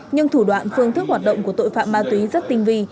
nhưng thủ đoạn phương thức hoạt động của tội phạm ma túy rất tinh vi